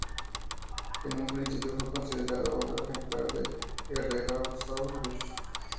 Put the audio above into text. En un principio fue considerado otro ejemplar de "Herrerasaurus".